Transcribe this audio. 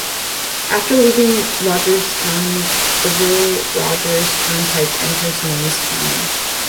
After leaving Rogers County, the Will Rogers Turnpike enters Mayes County.